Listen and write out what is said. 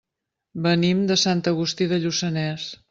Venim de Sant Agustí de Lluçanès.